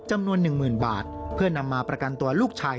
จำนวนหนึ่งหมื่นบาทเพื่อนำมาประกันตัวลูกชาย